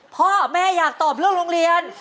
พ่อแม่อยากตอบเรื่องโรงเรียน